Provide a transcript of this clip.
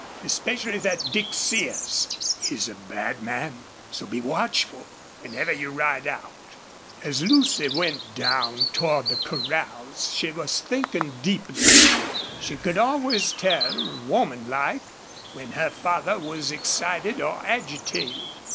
Especially thet Dick Sears. He's a bad man. So be watchful whenever you ride out." As Lucy went down toward the corrals she was thinking deeply. She could always tell, woman like, when her father was excited or agitated.